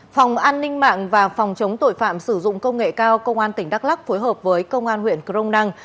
phòng an ninh mạng và phòng chống tội phạm sử dụng công nghệ cao công an tỉnh đắk lắc phối hợp với công an huyện crong năng